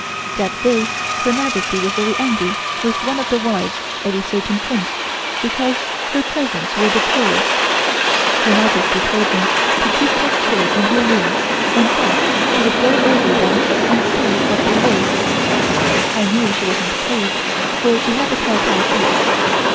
That day Her Majesty was very angry with one of the wives of a certain Prince because her presents were the poorest. Her Majesty told me to keep that tray in her room and said she would go over them and see what they were. I knew she was not pleased, for she had a telltale face.